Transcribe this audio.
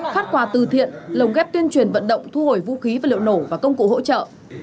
phát quà từ thiện lồng ghép tuyên truyền vận động thu hồi vũ khí và liệu nổ và công cụ hỗ trợ